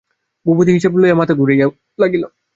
ভূপতি হিসাব লইয়া মাথা ঘুরাইতে লাগিল।